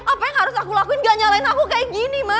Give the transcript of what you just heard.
apa yang harus aku lakuin gak nyalain aku kayak gini ma